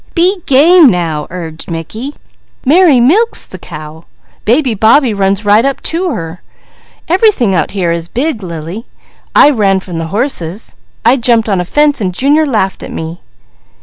"Be game now!" urged Mickey. "Mary milks the cow. Baby Bobbie runs right up to her. Everything out here is big, Lily. I ran from the horses. I jumped on a fence, and Junior laughed at me."